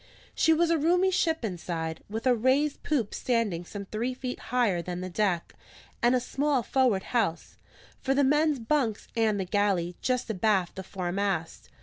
She was a roomy ship inside, with a raised poop standing some three feet higher than the deck, and a small forward house, for the men's bunks and the galley, just abaft the foremast.